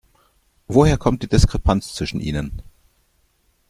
Woher kommt die Diskrepanz zwischen ihnen?